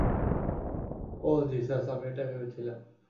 ওহ Jesus আমি এটাই ভেবেছিলাম।